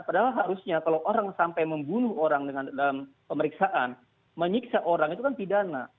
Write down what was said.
padahal harusnya kalau orang sampai membunuh orang dalam pemeriksaan menyiksa orang itu kan pidana